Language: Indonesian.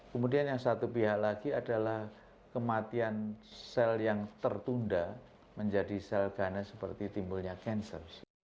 kemudian yang satu pihak lagi adalah kematian sel yang tertunda menjadi sel ganas seperti timbulnya cancer